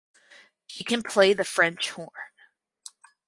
She can play the French horn.